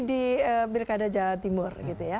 di bilkada jawa timur